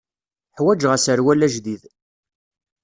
Ḥwaǧeɣ aserwal ajdid.